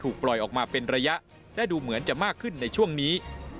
ปล่อยออกมาเป็นระยะและดูเหมือนจะมากขึ้นในช่วงนี้